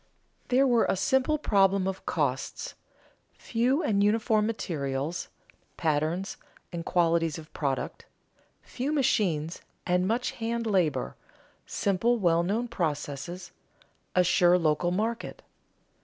There were a simple problem of costs, few and uniform materials, patterns, and qualities of product, few machines and much hand labor, simple well known processes, a sure local market.